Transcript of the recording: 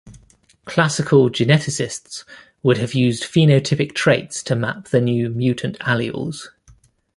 Classical geneticists would have used phenotypic traits to map the new mutant alleles.